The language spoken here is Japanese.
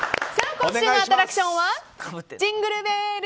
今週のアトラクションはジングルベル